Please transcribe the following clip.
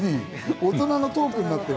大人のトークになってる。